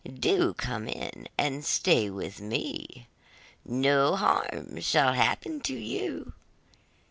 do come in, and stay with me. No harm shall happen to you.